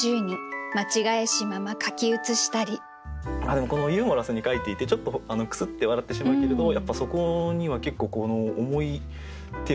でもこのユーモラスに書いていてちょっとクスッて笑ってしまうけれどやっぱりそこには結構重いテーマもありますよね。